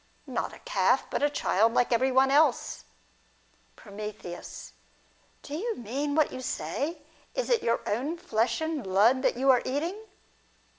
Not a calf, but a child like every one else. From. Do you mean what you say ? Is it your own flesh and blood that you are eating